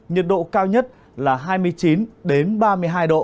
nhiệt độ cao nhất là hai mươi chín ba mươi hai độ